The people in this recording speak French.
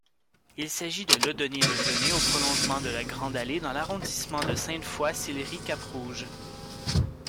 Il s'agit de l'odonyme donné au prolongement de la Grande-Allée dans l'arrondissement de Sainte-Foy-Sillery-Cap-Rouge.